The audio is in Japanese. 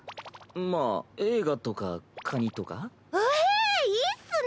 まあ映画とかかにとか。ええいいっスね！